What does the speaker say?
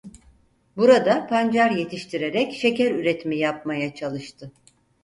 Burada pancar yetiştirerek şeker üretimi yapmaya çalıştı.